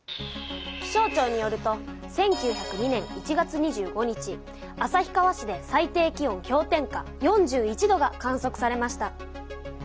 気象ちょうによると１９０２年１月２５日旭川市で最低気温氷点下４１度が観そくされました。